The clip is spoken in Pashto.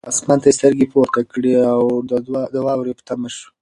اسمان ته یې سترګې پورته کړې او د واورې په تمه شو.